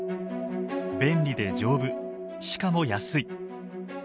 便利で丈夫しかも安い。